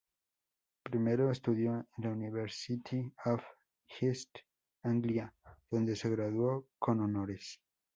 Primero estudió en la University of East Anglia, donde se graduó con honores.